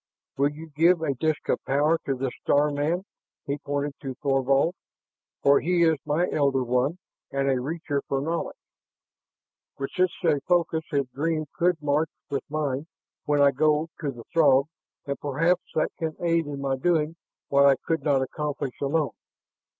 "Will you give a disk of power to this star man?" He pointed to Thorvald. "For he is my Elder One and a Reacher for Knowledge. With such a focus his dream could march with mine when I go to the Throg, and perhaps that can aid in my doing what I could not accomplish alone.